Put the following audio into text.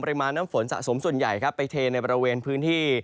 มาน้ำฝนสะสมส่วนใหญ่ครับไปเทในบริเวณพื้นที่